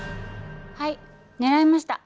はい狙いました。